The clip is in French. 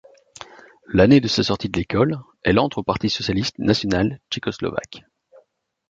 L'année de sa sortie de l'école, elle entre au parti socialiste national tchécoslovaque.